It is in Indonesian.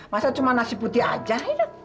masa cuma nasi putih aja